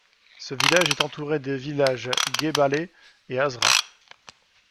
Ce village est entouré des villages Ghebaleh et Aazra.